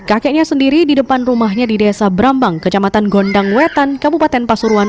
kakeknya sendiri di depan rumahnya di desa brambang kecamatan gondang wetan kabupaten pasuruan